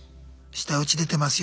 舌打ち出てますよ